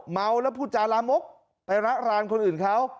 เมาแล้วพูดจาลามกไประรานคนอื่นเขา